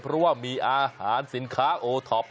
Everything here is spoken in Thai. เพราะว่ามีอาหารสินค้าโอท็อป